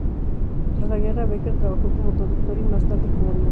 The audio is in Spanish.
Tras la Guerra, Becker trabajó como traductor y más tarde como dibujante.